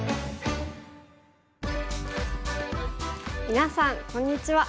みなさんこんにちは。